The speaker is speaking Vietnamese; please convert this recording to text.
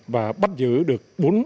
và bắt giữ được bốn triệu